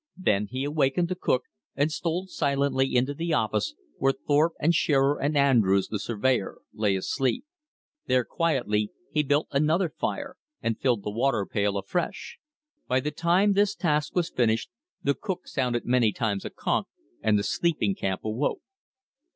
Then he awakened the cook, and stole silently into the office, where Thorpe and Shearer and Andrews, the surveyor, lay asleep. There quietly he built another fire, and filled the water pail afresh. By the time this task was finished, the cook sounded many times a conch, and the sleeping camp awoke.